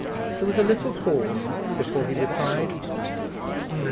There was a little pause before he replied.